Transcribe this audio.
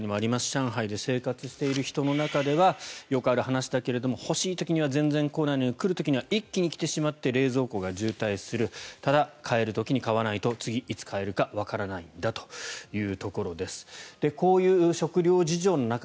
上海で生活している人の中ではよくある話だけれども欲しい時には全然来ないのに来るときには一気に来てしまって冷蔵庫が渋滞するただ買える時に買わないと次いつ買えるかわからないんだというところです。